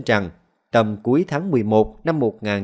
tầm cuối tháng một mươi một năm một nghìn chín trăm chín mươi năm